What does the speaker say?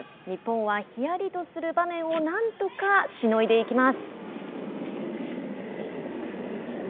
日本はひやりとする場面を何とかしのいでいきます。